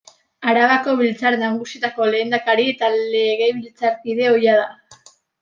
Arabako Biltzar Nagusietako lehendakari eta Legebiltzarkide ohia da.